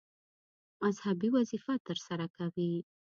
مذهبي وظیفه ترسره کوي.